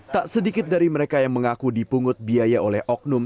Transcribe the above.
tak sedikit dari mereka yang mengaku dipungut biaya oleh oknum